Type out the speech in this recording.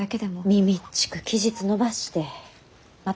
みみっちく期日延ばしてまた借りて？